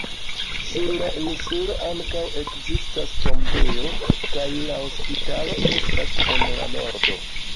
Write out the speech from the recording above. Sur la insulo ankaŭ ekzistas tombejo, kaj la hospitalo estas en la nordo.